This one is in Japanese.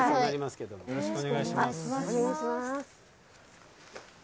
よろしくお願いします。